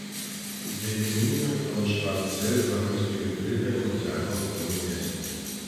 Wilhelmine von Schwertzell sammelte für Wilhelm und Jacob Grimm Märchen.